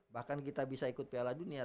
bahkan kita bisa ikut piala dunia